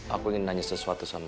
aku ingin nanya sesuatu sama kak raina